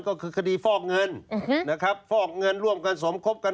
ก็คือคดีฟอกเงินนะครับฟอกเงินร่วมกันสมคบกัน